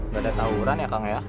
gak ada tawuran ya kak